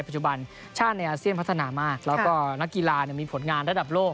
ปัจจุบันชาติในอาเซียนพัฒนามากแล้วก็นักกีฬามีผลงานระดับโลก